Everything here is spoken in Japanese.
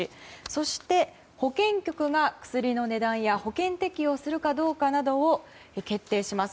そして、保健局が薬の値段や保険適用するかどうかを決定します。